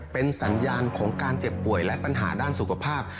เป็นสัญญาณของการเจ็บป่วยและปัญหาด้านสุขภาพ